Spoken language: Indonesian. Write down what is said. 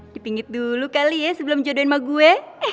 dipinggit dulu kali ya sebelum jodohin sama gue